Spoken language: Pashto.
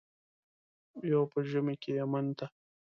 یو په ژمي کې یمن ته.